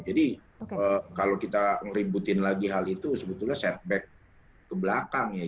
jadi kalau kita ngeributin lagi hal itu sebetulnya setback ke belakang ya